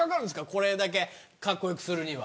これだけカッコよくするには。